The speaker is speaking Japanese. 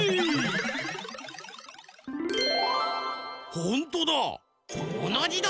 ほんとだ。